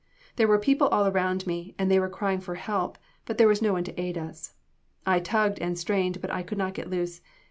There were people all around me, and they were crying for help; but there was no one to aid us. I tugged and strained, but I could not get loose.